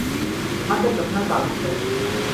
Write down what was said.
جہاں تک اپنا تعلق ہے۔